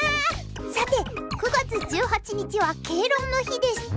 さて９月１８日は敬老の日です。